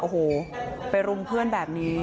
โอ้โหไปรุมเพื่อนแบบนี้